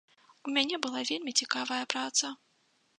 У мяне была вельмі цікавая праца.